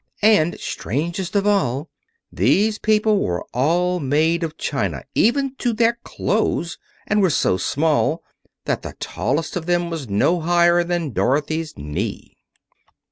And, strangest of all, these people were all made of china, even to their clothes, and were so small that the tallest of them was no higher than Dorothy's knee.